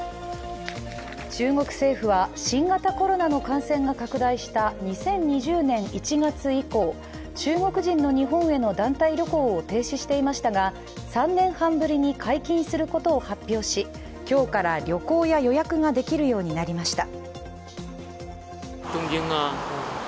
中国政府は新型コロナの感染が拡大した２０２０年１月以降中国人の日本への団体旅行を停止していましたが、３年半ぶりに解禁することを発表し今日から旅行や予約ができるようになりました。